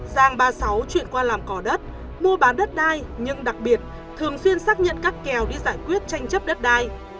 giang ba mươi sáu chuyện qua làm cỏ đất mua bán đất đai nhưng đặc biệt thường xuyên xác nhận các kèo đi giải quyết tranh chấp đất đai